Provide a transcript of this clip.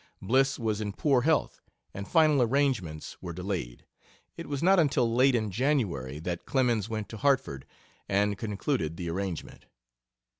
Bliss was in poor health and final arrangements were delayed; it was not until late in January that Clemens went to Hartford and concluded the arrangement.